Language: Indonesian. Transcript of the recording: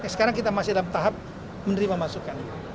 sekarang kita masih dalam tahap menerima masukan